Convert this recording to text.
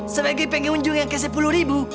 sebagai pengunjung yang ke sepuluh ribu